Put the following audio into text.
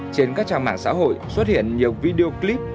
trên các trang mạng xã hội xuất hiện nhiều video clip